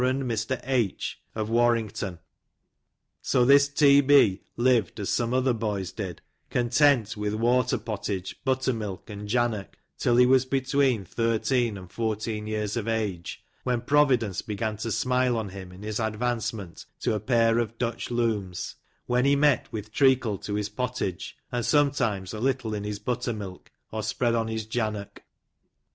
Mr. H , of V\ in : so this T. 13. lived as some other boys did, con tent with water pottage, buttermilk, and jannock, till he was between thirteen and fourteen years of age, when providence began to smile on him in his advancement to a pair of Dutch looms when he met with treacle to his pottage, and some times a little in his buttermilk, or spread on his jannock.